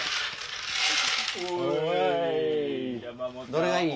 どれがいい？